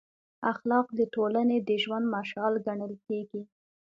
اخلاق د ټولنې د ژوند مشال ګڼل کېږي.